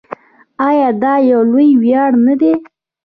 آیا دا یو لوی ویاړ نه دی؟